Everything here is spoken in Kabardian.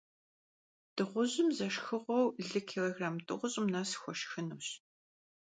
Дыгъужьым зэ шхэгъуэу лы килограмм тIощIым нэс хуэшхынущ.